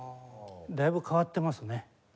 だいぶ変わってますね。